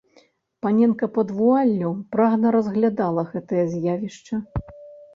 Паненка пад вуаллю прагна разглядала гэтае з'явішча.